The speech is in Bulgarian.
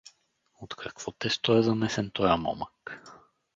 От какво тесто е замесен тоя момък?